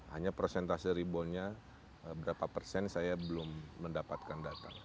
hanya prosentase reboundnya berapa persen saya belum mendapatkan data